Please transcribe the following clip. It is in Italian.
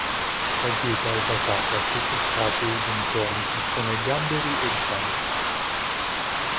La dieta è basata su crostacei bentonici come gamberi e granchi.